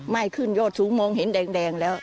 ขึ้นยอดสูงมองเห็นแดงแล้ว